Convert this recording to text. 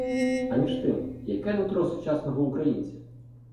А між тим, яке нутро сучасного українця?